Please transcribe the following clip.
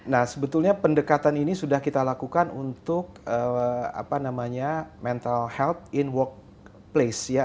nah sebetulnya pendekatan ini sudah kita lakukan untuk apa namanya mental health in workplace ya